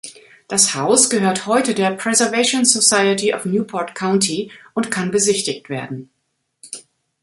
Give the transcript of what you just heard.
Das Haus gehört heute der "Preservation Society of Newport County" und kann besichtigt werden.